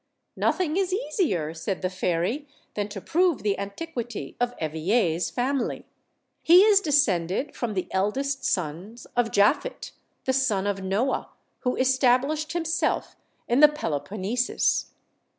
"Nothing is easier," said the fairy, "than to prove the antiquity of Eveille's family. He is descended from the eldest of the sons of Japhet, the son of Noah, who estab lished himself in the Peloponnesus.